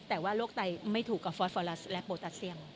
แต่ว่าโรคไตไม่ถูกกับฟอสฟอรัสและโปรตาเซียม